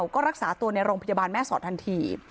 ก็รักษาตัวในโรงพยาบาลแม่สอดทันที